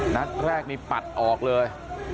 นัดแรกนี่ปัดออกเลย